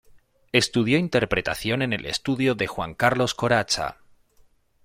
Estudió interpretación en el estudio de Juan Carlos Corazza.